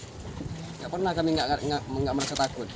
tidak pernah kami tidak merasa takut